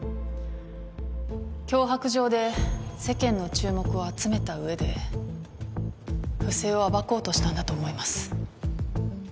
脅迫状で世間の注目を集めた上で不正を暴こうとしたんだと思います。